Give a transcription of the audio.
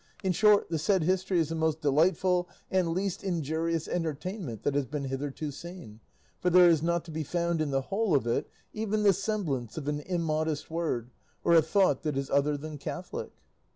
In short, the said history is the most delightful and least injurious entertainment that has been hitherto seen, for there is not to be found in the whole of it even the semblance of an immodest word, or a thought that is other than Catholic."